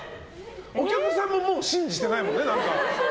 お客さんも信じてないもんね。